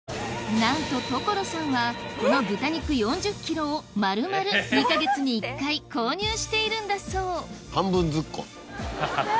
なんと所さんはこの豚肉４０ｋｇを丸々２か月に１回購入しているんだそうハハハ。